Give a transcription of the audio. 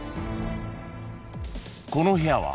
［この部屋は］